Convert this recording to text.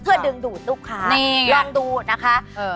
เพื่อดึงดูดลูกค้านี่ลองดูนะคะ